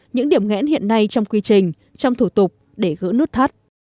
những điểm nghẽn hiện nay trong quy trình trong thủ tục để gỡ nút thắt